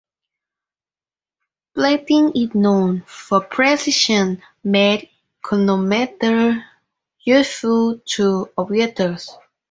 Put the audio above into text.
Breitling is known for precision-made chronometers useful to aviators.